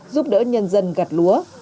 giúp đỡ nhân dân gặt lúa